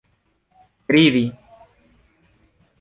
ridi